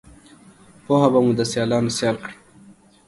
پوهه به مو دسیالانوسیال کړي